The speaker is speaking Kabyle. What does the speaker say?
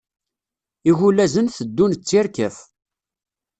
Igulazen teddun d tirkaf.